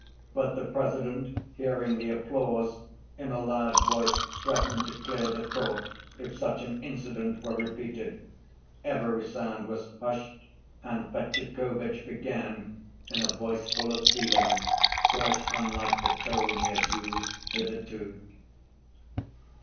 But the President, hearing the applause, in a loud voice threatened to clear the court if such an incident were repeated. Every sound was hushed and Fetyukovitch began in a voice full of feeling quite unlike the tone he had used hitherto.